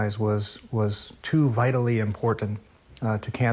ด้านลุมวิธีไม่เงิน